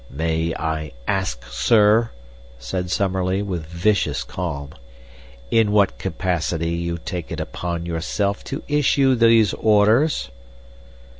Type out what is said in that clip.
"May I ask, sir," said Summerlee, with vicious calm, "in what capacity you take it upon yourself to issue these orders?"